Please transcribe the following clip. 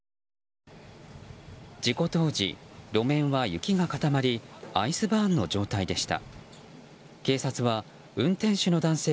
事故当時、路面は雪が固まりアイスバーンの状態でした。